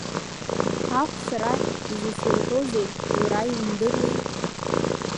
Ахә сара изысурҳәозеи, уара иумдыруеи?